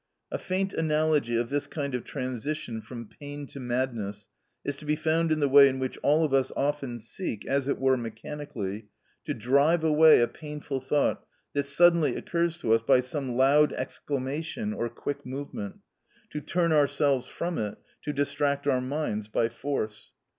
A faint analogy of this kind of transition from pain to madness is to be found in the way in which all of us often seek, as it were mechanically, to drive away a painful thought that suddenly occurs to us by some loud exclamation or quick movement—to turn ourselves from it, to distract our minds by force.